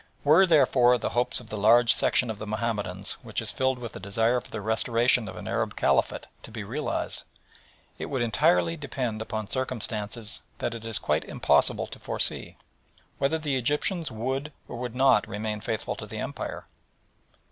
Were, therefore, the hopes of the large section of the Mahomedans which is filled with the desire for the restoration of an Arab Caliphate to be realised it would entirely depend upon circumstances that it is quite impossible to foresee whether the Egyptians would or would not remain faithful to the Empire.